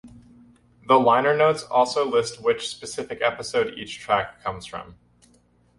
The liner notes also list which specific episode each track comes from.